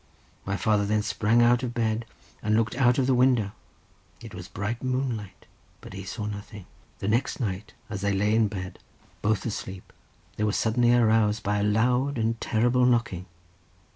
My father then sprang out of bed, and looked out of the window; it was bright moonlight, but he saw nothing. The next night, as they lay in bed both asleep, they were suddenly aroused by a loud and terrible knocking.